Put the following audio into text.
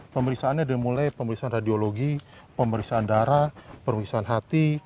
pemeriksaannya dari mulai pemeriksaan radiologi pemeriksaan darah pemeriksaan hati